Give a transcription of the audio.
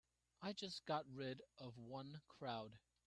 I just got rid of one crowd.